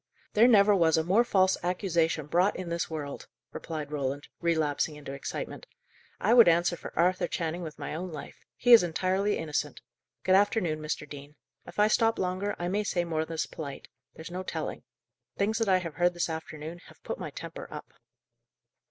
"There never was a more false accusation brought in this world," replied Roland, relapsing into excitement. "I would answer for Arthur Channing with my own life. He is entirely innocent. Good afternoon, Mr. Dean. If I stop longer, I may say more than's polite; there's no telling. Things that I have heard this afternoon have put my temper up."